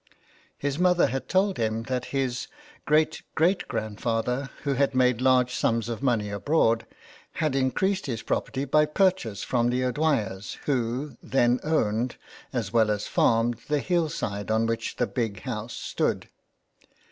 His mother had told him that his great, great grand father, who had made large sums of money abroad, had increased his property by purchase from the O'Dwyers, who then owned, as well as farmed, the hill side on which the Big House stood.